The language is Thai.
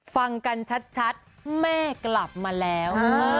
ฟังกันชัดแม่กลับมาแล้ว